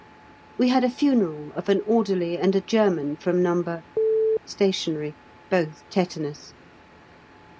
We had a funeral of an Orderly and a German from No. Sta. (both tetanus).